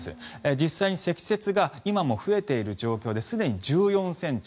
実際に積雪が今も増えている状況ですでに１４ｃｍ。